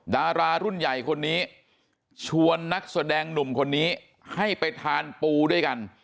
ดารารุ่นใหญ่คนนี้ชวนนักแสดงหนุ่มคนนี้ให้ไปทานปูด้วยกัน